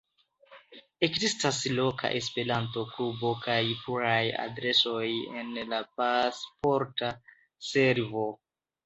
Ekzistas loka Esperanto-klubo kaj pluraj adresoj en la Pasporta Servo.